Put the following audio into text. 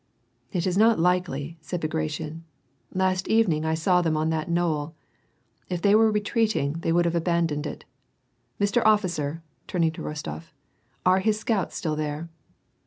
" It is not likely," said Bagration. " Last evening I saw them on that knoll ; if they were retreating they would have abandoned it Mr. Officer," turning to Rostof, " are his scouts still there